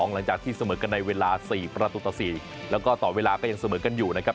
หลังจากที่เสมอกันในเวลา๔๔๐ตามเวลาก็ยังเสมอกกันอยู่นะครับ